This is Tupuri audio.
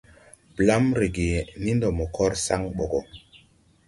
Blam rege ni ndɔ mo kɔr saŋ ɓɔ gɔ!